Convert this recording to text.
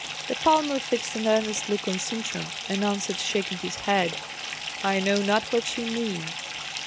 The palmer fixed an earnest look on Sintram, and answered, shaking his head, "I know not what you mean."